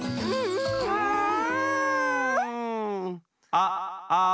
ああ。